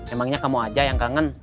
emangnya kamu aja yang kangen